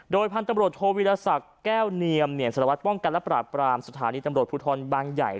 โดยพันธุ์ตำรวจโทรวิทยาศักดิ์แก้วเนียมเนี่ยสรวจป้องกันและปราบปรามสถานีตำรวจผู้ทนบางใหญ่